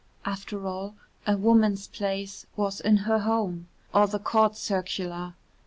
After all, a woman's place was in her home or the Court Circular.